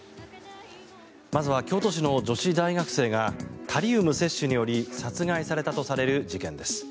まずは京都市の女子大学生がタリウム摂取により殺害されたとされる事件です。